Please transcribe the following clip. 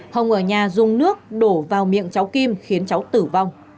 hồng ở nhà dùng nước đổ vào miệng cháu kim khiến cháu tử vong